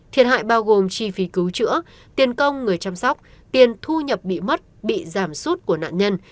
thiệt hại bao gồm chi phí cứu chữa tiền công người chăm sóc tiền thu nhập bị mất bị giảm sút của nạn nhân